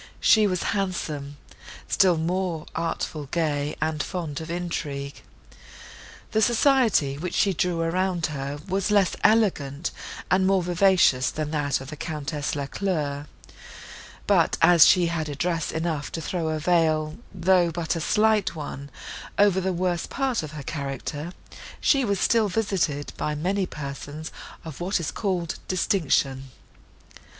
She was handsome, still more artful, gay and fond of intrigue. The society, which she drew round her, was less elegant and more vicious, than that of the Countess Lacleur: but, as she had address enough to throw a veil, though but a slight one, over the worst part of her character, she was still visited by many persons of what is called distinction.